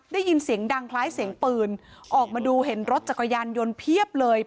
ได้ยินเสียงดังคล้ายเสียงปืนออกมาดูเห็นรถจักรยานยนต์เพียบเลย